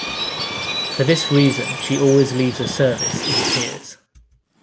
For this reason she always leaves a service in tears.